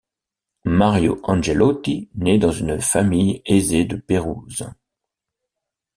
Mario Angeloni naît dans une famille aisée de Pérouse.